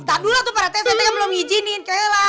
tahan dulu lah pak reti saya belum ngijinin